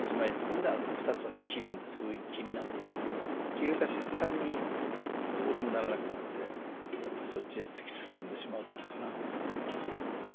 切れた瞬間にどうにもならなくなってやっぱりそっちへ突き進んでしまうというかな。